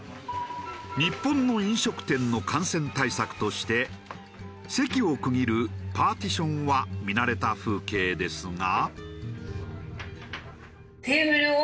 日本の飲食店の感染対策として席を区切るパーティションは見慣れた風景ですが。